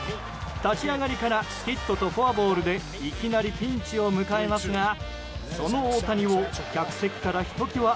立ち上がりからヒットとフォアボールでいきなりピンチを迎えますがその大谷を客席からひと際